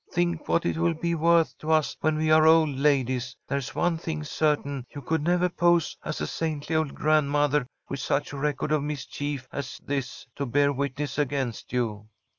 Think what it will be worth to us when we are old ladies. There's one thing certain, you could never pose as a saintly old grandmother with such a record for mischief as this to bear witness against you."